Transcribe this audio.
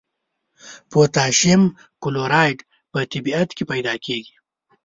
پوتاشیم کلورایډ په طبیعت کې پیداکیږي.